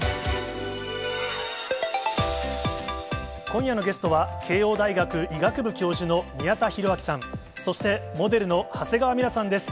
今夜のゲストは、慶応大学医学部教授の宮田裕章さん、そして、モデルの長谷川ミラさんです。